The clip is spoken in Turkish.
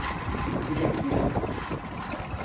Gidebiliriz.